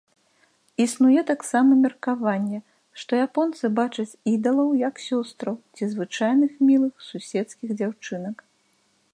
Існуе таксама меркаванне, што японцы бачаць ідалаў як сёстраў ці звычайных мілых суседскіх дзяўчынак.